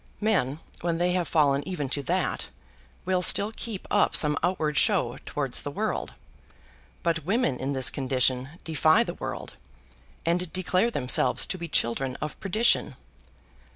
Men when they have fallen even to that, will still keep up some outward show towards the world; but women in this condition defy the world, and declare themselves to be children of perdition.